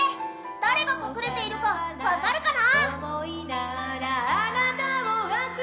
誰が隠れているか分かるかな？